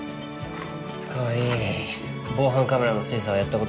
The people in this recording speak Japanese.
川合防犯カメラの精査はやったことある？